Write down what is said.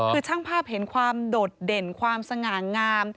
คือช่างภาพเห็นความโดดเด่นความสง่างาม